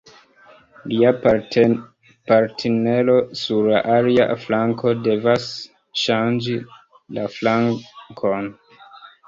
Lia partnero sur la alia flanko devas ŝanĝi la flankon.